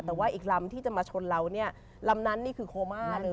แต่ว่าอีกลำที่จะมาชนเราเนี่ยลำนั้นนี่คือโคม่าเลย